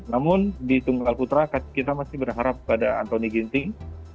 namun di tunggal putra kita masih berharap pada antoni ginting